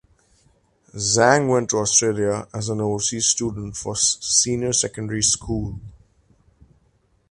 Zhang went to Australia as an overseas student for senior secondary school.